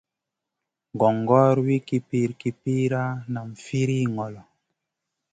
Gongor vih kipir-kipira, nam firiy ŋolo.